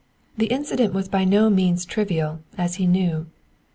The incident was by no means trivial, as he knew.